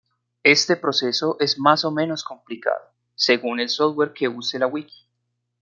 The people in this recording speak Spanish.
Este proceso es más o menos complicado, según el software que use la "wiki".